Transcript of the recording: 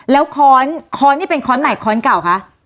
แล้วคอร์สคอร์สนี่เป็นคอร์สไหนคอร์สเก่าคะ